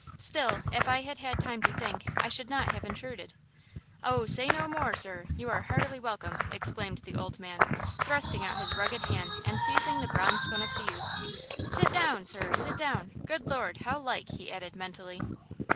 "Still, if I had had time to think I should not have intruded." "Oh, say no more, sir. You are heartily welcome," exclaimed the old man, thrusting out his rugged hand and seizing the bronzed one of the youth. "Sit down, sir, sit down. Good Lord, how like!" he added, mentally.